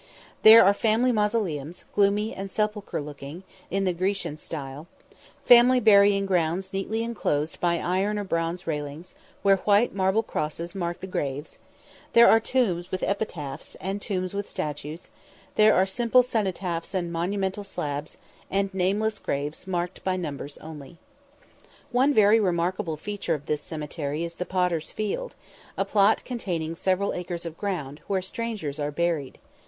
There are family mausoleums, gloomy and sepulchral looking, in the Grecian style; family burying grounds neatly enclosed by iron or bronze railings, where white marble crosses mark the graves; there are tombs with epitaphs, and tombs with statues; there are simple cenotaphs and monumental slabs, and nameless graves marked by numbers only. One very remarkable feature of this cemetery is the "Potter's Field," a plot containing several acres of ground, where strangers are buried.